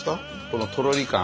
このとろり感。